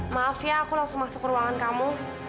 maaf ya aku langsung masuk ke ruangan kamu